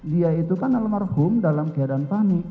dia itu kan almarhum dalam keadaan panik